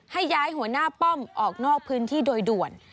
ให้ย้ายหัวหน้าป้อมออกนอกพื้นที่โดยด่วน